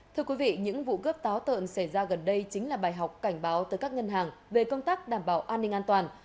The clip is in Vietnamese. thưa quý vị những vụ cướp táo tợn xảy ra gần đây chính là bài học cảnh báo tới các ngân hàng về công tác đảm bảo an ninh an toàn